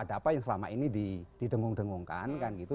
ada apa yang selama ini didengung dengungkan kan gitu